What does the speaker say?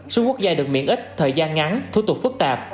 số quốc gia được miễn ít thời gian ngắn thủ tục phức tạp